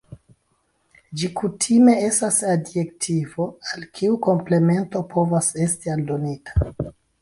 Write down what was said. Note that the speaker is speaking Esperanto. Ĝi kutime estas adjektivo al kiu komplemento povas esti aldonita.